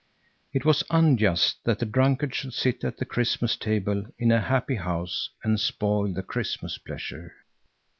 It was unjust that the drunkard should sit at the Christmas table in a happy house and spoil the Christmas pleasure.